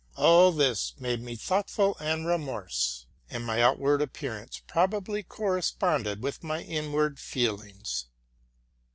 All this made me thoughtful and morose, and my outward appearance probably corresponded with my inward feelings.